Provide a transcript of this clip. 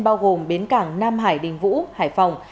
bao gồm bến cảng nam hải đình vũ hải phòng